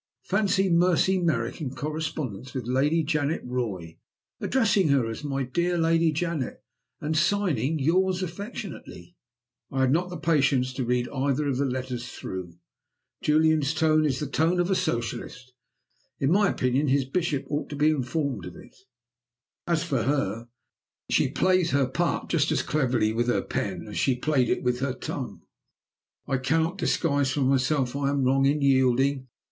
Fancy Mercy Merrick in correspondence with Lady Janet Roy! addressing her as 'My dear Lady Janet,' and signing, 'Yours affectionately!' "I had not the patience to read either of the letters through. Julian's tone is the tone of a Socialist; in my opinion his bishop ought to be informed of it. As for her she plays her part just as cleverly with her pen as she played it with her tongue. 'I cannot disguise from myself that I am wrong in yielding....